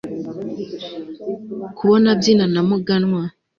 kubona abyina na muganwa